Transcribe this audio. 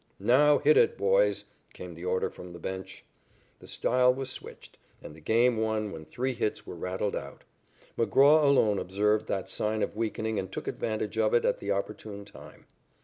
"Now hit it, boys," came the order from the "bench." The style was switched, and the game won when three hits were rattled out. McGraw alone observed that sign of weakening and took advantage of it at the opportune time.